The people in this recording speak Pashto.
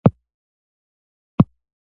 آیا لاجورد اوس هم ارزښت لري؟